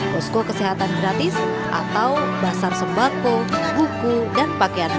kosko kesehatan gratis atau pasar sembako buku dan pakaian murah